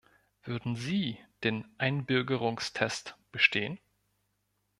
Würden Sie den Einbürgerungstest bestehen?